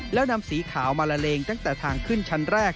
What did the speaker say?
แล้วนำสีขาวมาละเลงตั้งแต่ทางขึ้นชั้นแรก